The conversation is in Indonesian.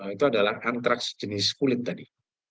itu adalah antraks jenis kulit tadi